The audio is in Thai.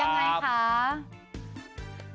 ยังไงคะ